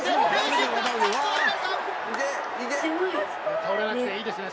倒れなくていいですね。